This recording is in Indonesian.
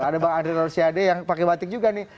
ada bang ander olsiade yang pakai batik juga nih